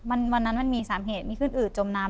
วันนั้นมันมี๓เหตุมีขึ้นอืดจมน้ำ